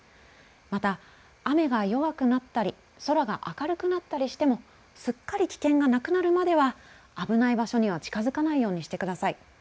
また雨が弱くなったり空が明るくなったりしてもすっかり危険がなくなるまでは危ない場所には近づかないようにしてください。